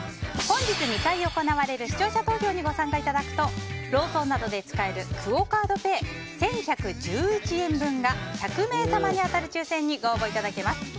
本日２回行われる視聴者投票にご参加いただくとローソンなどで使えるクオ・カードペイ１１１１円分が１００名様に当たる抽選にご応募いただけます。